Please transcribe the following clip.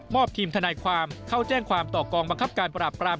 อบทีมทนายความเข้าแจ้งความต่อกองบังคับการปราบปราม